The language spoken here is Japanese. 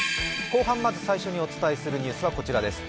後半、まず最初にお伝えするニュースはこちらです。